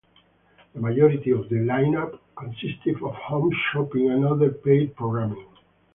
The majority of the lineup consisted of home shopping and other paid programming.